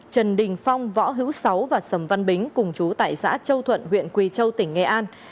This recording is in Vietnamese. trần đình phong võ hữu sáu và sầm văn bính cùng chú tại xã châu thuận huyện quỳ châu tỉnh nghệ an